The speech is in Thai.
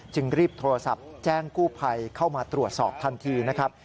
รีบโทรศัพท์แจ้งกู้ภัยเข้ามาตรวจสอบทันทีนะครับ